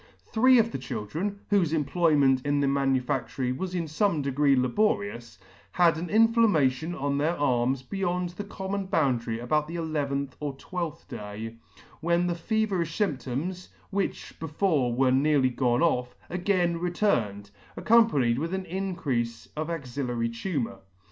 Three of the children, whofe employment in the manufactory was in fome degree laborious, had an inflammation on their arms beyond the common boundary about the eleventh or twelfth day, when the feverifh fymptoms, which before were nearly gone off, again returned, accompanied with increafe of axillary tumour.